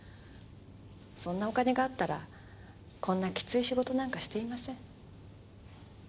そんなお金があったらこんなキツイ仕事なんかしていません。